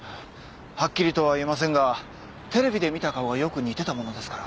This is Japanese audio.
はっきりとは言えませんがテレビで見た顔がよく似てたものですから。